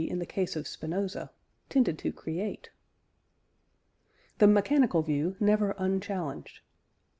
in the case of Spinoza) tended to create. THE "MECHANICAL VIEW" NEVER UNCHALLENGED.